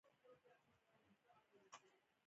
تر څو یې کولو او پای ته رسولو لپاره انګېزه پيدا کړي.